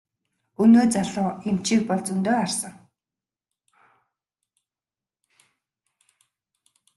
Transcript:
Өнөө залуу эмчийг бол зөндөө харсан.